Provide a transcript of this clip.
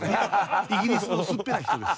イギリスの薄っぺらい人です。